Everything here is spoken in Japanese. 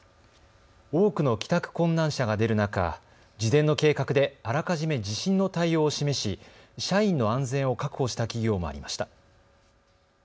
多くの帰宅困難者が出る中、事前の計画であらかじめ地震の対応を示し社員の安全を確保した企業もありました。